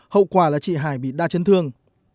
hậu quả là chị hải bị đa chân thương